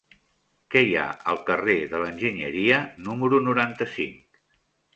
Què hi ha al carrer de l'Enginyeria número noranta-cinc?